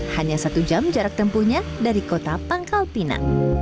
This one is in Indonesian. hanya satu jam jarak tempuhnya dari kota pangkalpina